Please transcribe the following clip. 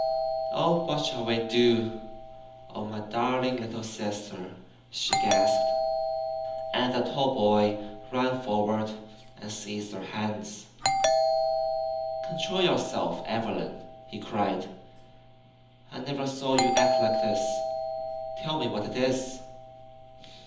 Oh, what shall we do? Oh, my darling little sister!" she gasped, and the tall boy ran forward and seized her hands. "Control yourself, Evelyn," he cried. "I never saw you act like this. Tell me what it is."